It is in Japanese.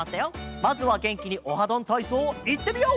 まずはげんきに「オハどんたいそう」いってみよう！